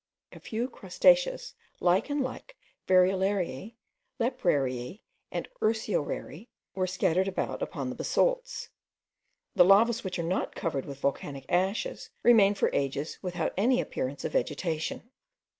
A few crustaceous lichen like variolariae, leprariae, and urceorariae, were scattered about upon the basalts. The lavas which are not covered with volcanic ashes remain for ages without any appearance of vegetation.